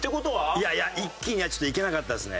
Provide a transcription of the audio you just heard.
一気にはちょっといけなかったですね。